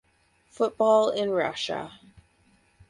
Football in Russia